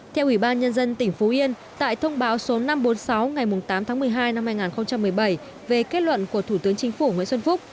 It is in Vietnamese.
theo ủy ban nhân dân tỉnh phú yên tại thông báo số năm trăm bốn mươi sáu ngày tám tháng một mươi hai năm hai nghìn một mươi bảy về kết luận của thủ tướng chính phủ nguyễn xuân phúc